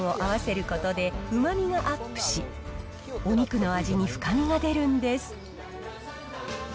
たれにビーフブイヨンを合わせることで、うまみがアップし、お肉の味に深みが出るんです。